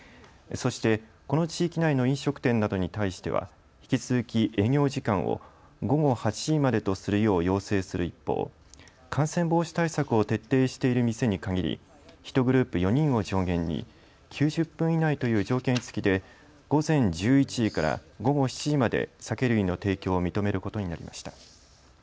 そして、この地域内の飲食店などに対しては引き続き、営業時間を午後８時までとするよう要請する一方感染防止対策を徹底している店にかぎり１グループ４人を上限に９０分以内という条件付きで午前１１時から午後７時まで酒類の提供を認めることになりました。